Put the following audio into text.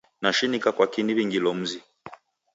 Nashinika kwaki niw'ingilo mzi.